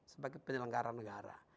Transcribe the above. sebagai penyelenggara negara